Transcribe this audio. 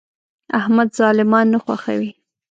احمد ظالمان نه خوښوي.